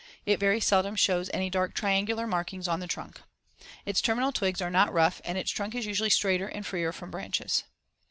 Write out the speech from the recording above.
It very seldom shows any dark triangular markings on the trunk. Its terminal twigs are not rough and its trunk is usually straighter and freer from branches.